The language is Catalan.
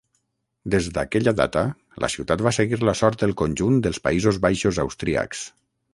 Des d'aquella data, la ciutat va seguir la sort del conjunt dels Països Baixos austríacs.